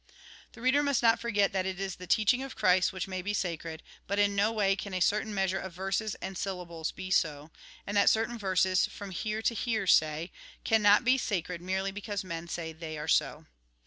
The reader must not forget that it is the teaching of Christ which may be sacred, but iii no \Aay can a certain measure of verses and syllables be so ; and that certain verses, from here to here, say, cannot be sacred merely because men say they are so.